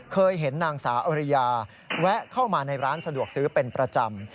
เคยเห็นนางสาวอริยาแวะเข้ามาในร้านสะดวกซื้อเป็นประจำ